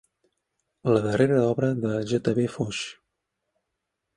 La darrera obra de J.V.Foix.